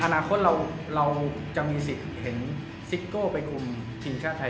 อนาคตเราจะมีสิทธิ์เห็นซิโก้ไปคุมทีมชาติไทย